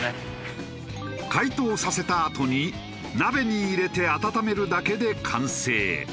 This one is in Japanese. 解凍させたあとに鍋に入れて温めるだけで完成。